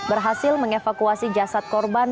berhasil mengevakuasi jasad korban